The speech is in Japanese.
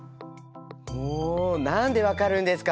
もう何で分かるんですか？